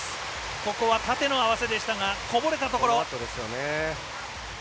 ここは縦の合わせでしたがこぼれたところ。